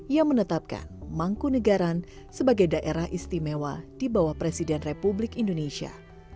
ia menetapkan mangku negara sebagai daerah istimewa di bawah presiden republik indonesia